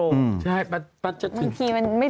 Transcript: ใช่บางทีมันไม่รู้ว่าจะไปถึงตรงไหน